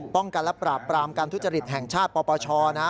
ป้องกันและปราบปรามการทุจริตแห่งชาติปปชนะ